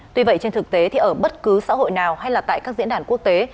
tuy vậy trên thực tế ở bất cứ xã hội nào hay tại các diễn đàn quốc tế